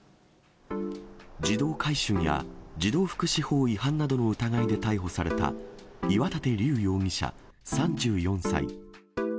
児童買春や児童福祉法違反などの疑いで逮捕された、岩立竜容疑者３４歳。